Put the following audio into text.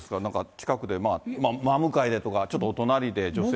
近くで真向かいでとか、ちょっとお隣で女性の方。